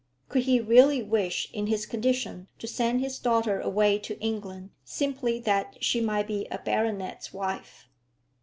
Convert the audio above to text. Could he really wish, in his condition, to send his daughter away to England simply that she might be a baronet's wife?